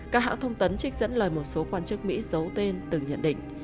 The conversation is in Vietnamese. các hãng thông tấn trích dẫn lời một số quan chức mỹ giấu tên từng nhận định